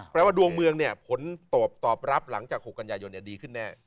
ถ้ามาดวงเมืองเนี่ยผลตอบตอบรับหลังจากหกกัญญายนเนี่ยดีขึ้นแน่